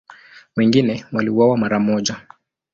Wengine waliuawa mara moja.